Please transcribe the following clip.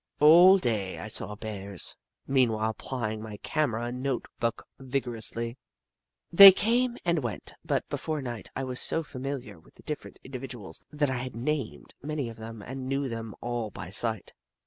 All day I saw Bears, meanwhile plying my camera and note book vigorously. They came and went, but before night I was so familiar with the different individuals that I had named many of them and knew them all by sight.